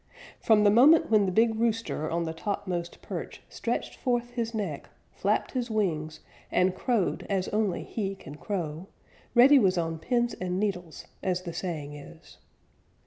From the moment when the big rooster on the topmost perch stretched forth his neck, flapped his wings, and crowed as only he can crow, Reddy was on pins and needles, as the saying is.